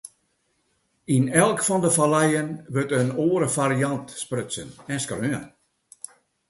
Yn elk fan de falleien wurdt in oare fariant sprutsen en skreaun.